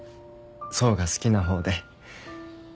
想が好きな方で。